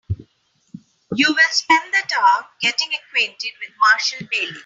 You will spend that hour getting acquainted with Marshall Bailey.